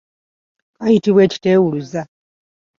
Kayitibwa ekiteewuluza.